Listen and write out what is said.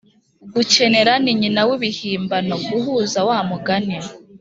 gukenera ni nyina wibihimbano guhuza wa mugani